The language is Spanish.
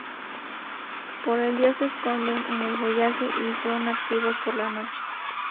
Por el día se esconden en el follaje y son activos por la noche.